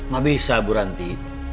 gak bisa bu ranti